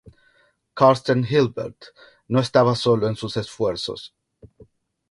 Karsten Hilbert no estaba solo en sus esfuerzos.